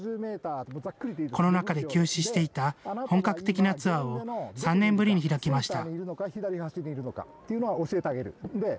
コロナ禍で休止していた本格的なツアーを３年ぶりに開きました。